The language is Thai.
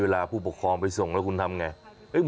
เวลาผู้ปกครองไปส่งแล้วคุณทำอย่างไร